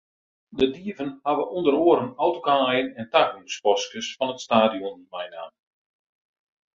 De dieven hawwe ûnder oare autokaaien en tagongspaskes fan it stadion meinaam.